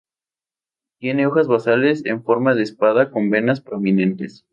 Tiene hojas basales en forma de espada con venas prominentes.